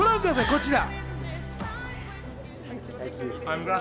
こちら。